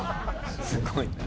すごいな。